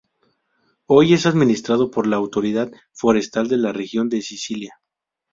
Hoy es administrado por la Autoridad Forestal de la Región de Sicilia.